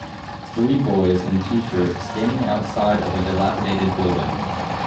Three boys in tshirt standing outside of a dilapidated building